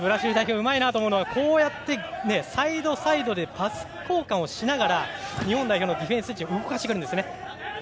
うまいと思うのはサイド、サイドでパス交換をしながら日本代表のディフェンス陣を動かしてくるんですね。